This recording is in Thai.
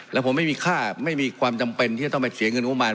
แล้วผมไม่มีความจำเป็นที่จะต้องมาเสียเงินโรงงาน